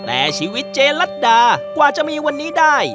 แต่ชีวิตเจลัดดากว่าจะมีวันนี้ได้